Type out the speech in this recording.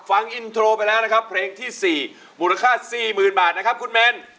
ฟังอินโทรไปแล้วนะครับเพลงที่๔มูลค่า๔๐๐๐บาทนะครับคุณเมน